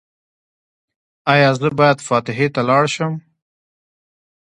ایا زه باید فاتحې ته لاړ شم؟